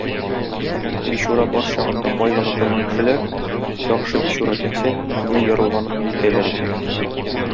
Бичура бар чагында бай гына торган кешеләр, яхшы бичура китсә, бөтенләй ярлыланып китәләр икән.